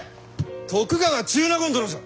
徳川中納言殿じゃ！